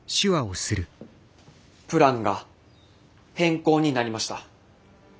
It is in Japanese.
プランが変更になりました。